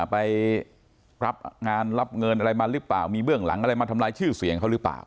ไปรับงานรับเงินอะไรมาหรือเปล่ามีเบื้องหลังอะไรมาทำลายชื่อเสียงเขาหรือเปล่า